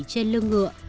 trên lưng ngựa